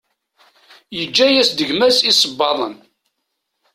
Yeǧǧa-as-d gma-s iṣebbaḍen.